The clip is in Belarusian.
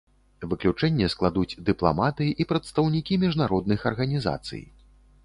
Выключэнне складуць дыпламаты і прадстаўнікі міжнародных арганізацый.